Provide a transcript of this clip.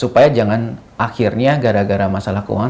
supaya jangan akhirnya gara gara masalah keuangan